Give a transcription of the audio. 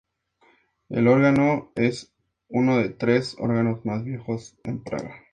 El órgano es uno de tres órganos más viejos en Praga.